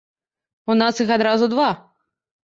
У нас іх адразу два.